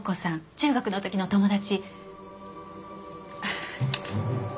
中学の時の友達。